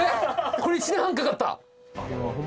これ１年半かかった！？